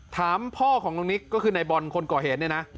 ถามพ่อของน้องนิกก็คือในบอลคนก่อเหตุเนี่ยนะ